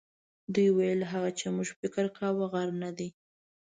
دوی ویل هغه چې موږ فکر کاوه غر نه دی.